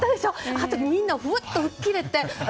あとみんなうわっと吹っ切れて私、